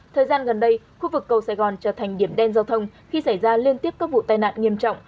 thời gian gần đây khu vực cầu sài gòn trở thành điểm đen giao thông khi xảy ra liên tiếp các vụ tai nạn nghiêm trọng